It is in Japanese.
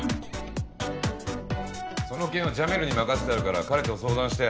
その件はジャメルに任せてあるから彼と相談して。